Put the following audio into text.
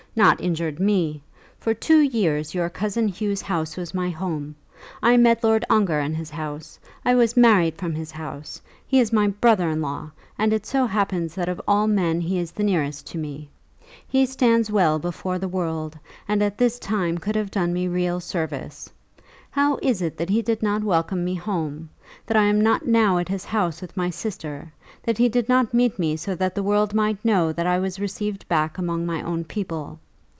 Not injured me! For two years your cousin Hugh's house was my home. I met Lord Ongar in his house. I was married from his house. He is my brother in law, and it so happens that of all men he is the nearest to me. He stands well before the world, and at this time could have done me real service. How is it that he did not welcome me home; that I am not now at his house with my sister; that he did not meet me so that the world might know that I was received back among my own people?